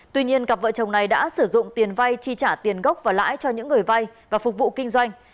tuy nhiên cặp vợ chồng này đã sử dụng tiền vay chi trả tiền gốc và lãi cho những người vay và phục vụ kinh doanh